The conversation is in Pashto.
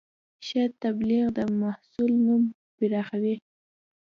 ښه تبلیغ د محصول نوم پراخوي.